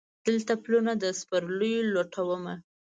دلته پلونه د سپرلیو لټومه